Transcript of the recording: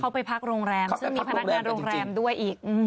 เขาไปพักโรงแรมซึ่งมีพนักงานโรงแรมด้วยอีก